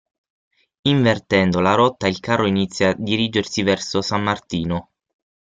Invertendo la rotta il carro inizia a dirigersi verso San Martino.